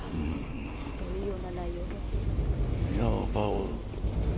どういうような内容だったんですか。